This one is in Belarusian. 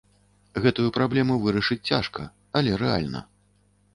Гэтую праблему вырашыць цяжка, але рэальна.